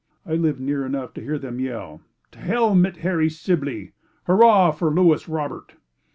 I lived near enough to hear them yell, "To Hell mit Henry Siblee Hurrah for Louis Robert."